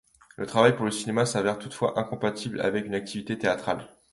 Le travail pour le cinéma s'avère toutefois incompatible avec une activité théâtrale.